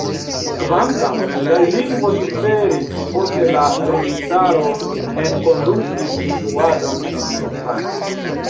Kvankam, la lingvo suferis post la registaro enkondukis instruadon en la hispana.